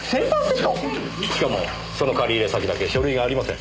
しかもその借入先だけ書類がありません。